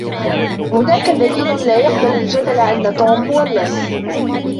هناك دليل لا يقبل الجدل أن توم هو اللص.